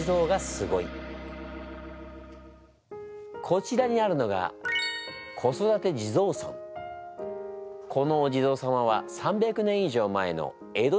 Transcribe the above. こちらにあるのがこのお地蔵様は３００年以上前の江戸時代につくられたもの。